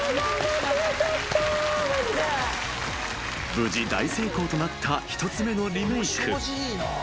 ［無事大成功となった１つ目のリメーク］